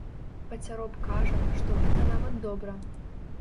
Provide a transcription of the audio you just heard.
Пацяроб кажа, што гэта нават добра.